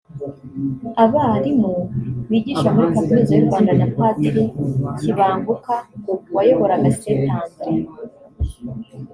abarimu bigisha muri Kaminuza y’u Rwanda na Padiri Kibanguka wayoboraga St André